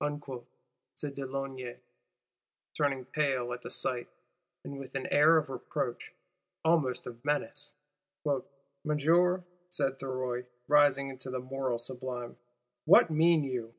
_' said de Launay, turning pale at the sight, with an air of reproach, almost of menace. 'Monsieur,' said Thuriot, rising into the moral sublime, 'What mean _you?